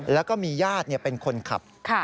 แล้วก็มีญาติเป็นคนขับ